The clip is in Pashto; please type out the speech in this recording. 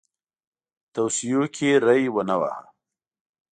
توصیو کې ری ونه واهه.